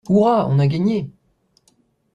Hourra! On a gagné!